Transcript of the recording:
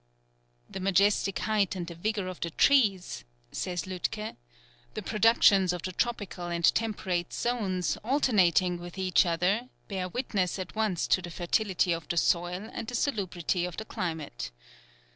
"The majestic height and the vigour of the trees," says Lütke, "the productions of the tropical and temperate zones, alternating with each other, bear witness at once to the fertility of the soil and the salubrity of the climate.